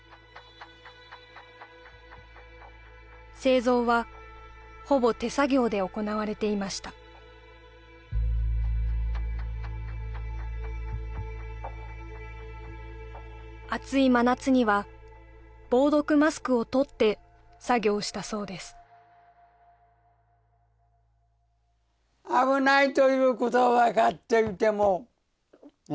製造はほぼ手作業で行われていました暑い真夏には防毒マスクを取って作業したそうですだから鼻も？